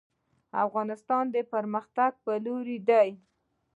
افغانستان د پرمختګ په لور دی